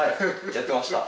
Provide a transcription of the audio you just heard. やってました。